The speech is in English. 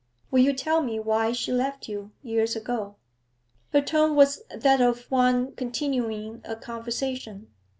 Will you tell me why she left you, years ago?' Her tone was that of one continuing a conversation.